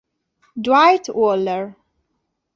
Dwight Waller